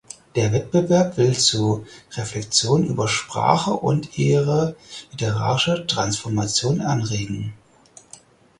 Der Wettbewerb will zu Reflexion über Sprache und ihre literarische Transformation anregen.